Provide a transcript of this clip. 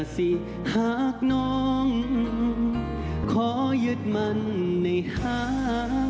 สิหากน้องขอยึดมันในหา